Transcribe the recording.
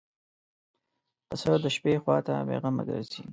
پسه د شپې خوا ته بېغمه ګرځي.